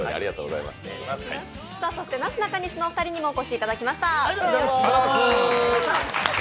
そしてなすなかにしのお二人にもお越しいただきました。